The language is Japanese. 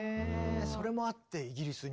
それもあってイギリスに？